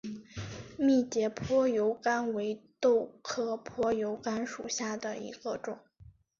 密节坡油甘为豆科坡油甘属下的一个种。